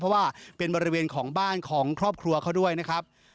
เพราะว่าเป็นบริเวณของบ้านของครอบครัวเขาด้วยนะครับ